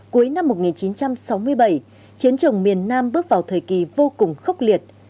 cuối năm một nghìn chín trăm sáu mươi bảy chiến trường miền nam bước vào thời kỳ vô cùng khốc liệt